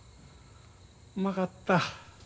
うまかった。